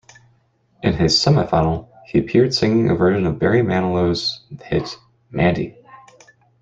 In his semi-final, he appeared singing a version of Barry Manilow's hit, "Mandy".